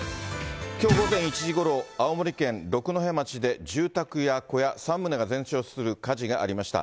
きょう午前１時ごろ、青森県六戸町で住宅や小屋３棟が全焼する火事がありました。